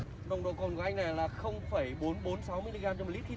nồng độ cồn của anh này là bốn trăm bốn mươi sáu